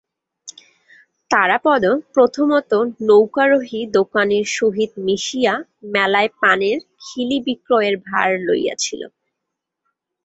তারাপদ প্রথমত নৌকারোহী দোকানির সহিত মিশিয়া মেলায় পানের খিলি বিক্রয়ের ভার লইয়াছিল।